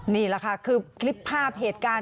นี่แหละค่ะคือคลิปภาพเหตุการณ์